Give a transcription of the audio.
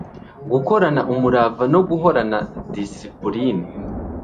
gukorana umurava no guhorana disipuline